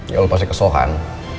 ya lo pasti kesel kan